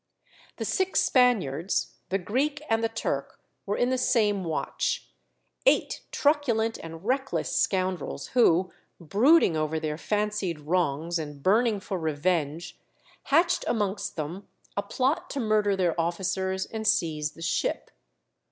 The six Spaniards, the Greek, and the Turk were in the same watch, eight truculent and reckless scoundrels, who, brooding over their fancied wrongs, and burning for revenge, hatched amongst them a plot to murder their officers and seize the ship.